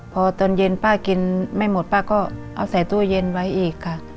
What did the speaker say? พอตอนเย็นป้ากินไม่หมดป้าก็เอาใส่ตู้เย็นไว้อีกค่ะ